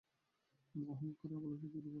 অহংকার আর ভালোবাসার দ্বিধায় পড়েছো!